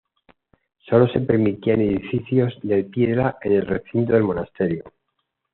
Sólo se permitían edificios de piedra en el recinto del monasterio.